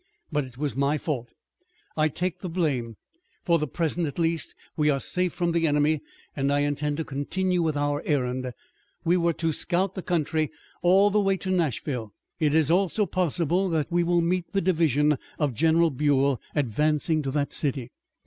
But it was my fault. I take the blame. For the present, at least, we are safe from the enemy, and I intend to continue with our errand. We were to scout the country all the way to Nashville. It is also possible that we will meet the division of General Buell advancing to that city.